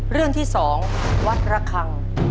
เรื่องที่๒วัดระคัง